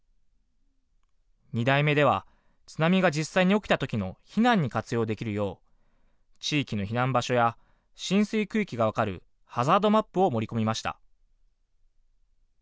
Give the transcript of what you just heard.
２代目では津波が実際に起きた時の避難に活用できるよう地域の避難場所や浸水区域が分かるハザードマップを盛り込みました。